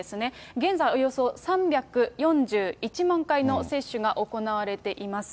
現在、およそ３４１万回の接種が行われています。